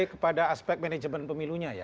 kepada aspek manajemen pemilunya ya